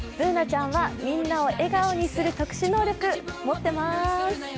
Ｂｏｏｎａちゃんはみんなを笑顔にする特殊能力、持ってます。